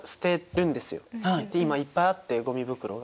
今いっぱいあってごみ袋が。